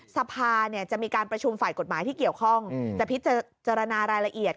สภาจะมีการประชุมฝ่ายกฎหมายที่เกี่ยวข้องจะพิจารณารายละเอียด